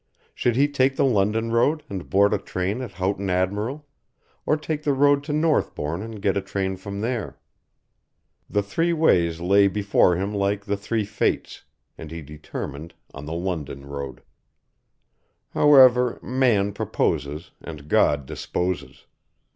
Should he take the London road and board a train at Houghton Admiral, or take the road to Northbourne and get a train from there? The three ways lay before him like the three Fates, and he determined on the London road. However, Man proposes and God disposes.